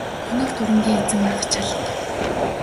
Мөнөөх дурангийн эзэн ах ч алга.